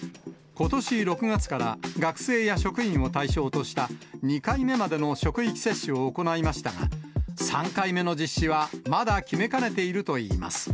ことし６月から、学生や職員を対象とした、２回目までの職域接種を行いましたが、３回目の実施はまだ決めかねているといいます。